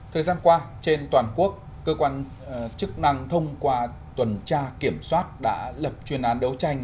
thời gian qua trên toàn quốc cơ quan chức năng thông qua tuần tra kiểm soát đã lập chuyên án đấu tranh